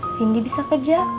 sindy bisa kerja